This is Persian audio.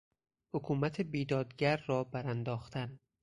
حکومت بیدادگر را برانداختن